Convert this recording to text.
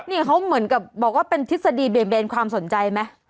นี่เขาเหมือนกับบอกว่าเป็นทฤษฎีเบียเบนความสนใจไหม